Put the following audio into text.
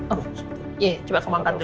oh iya coba kemampuan dulu